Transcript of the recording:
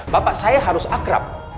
bapak saya harus akrab